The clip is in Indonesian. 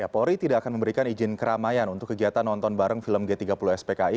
polri tidak akan memberikan izin keramaian untuk kegiatan nonton bareng film g tiga puluh spki